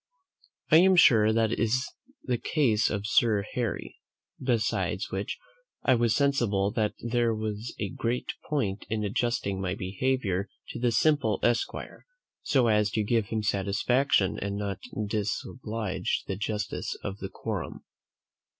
I am sure that is the case of Sir Harry. Besides which, I was sensible that there was a great point in adjusting my behaviour to the simple esquire, so as to give him satisfaction and not disoblige the justice of the quorum.